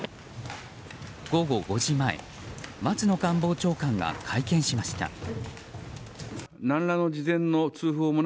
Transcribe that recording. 午後５時前、松野官房長官が会見しました。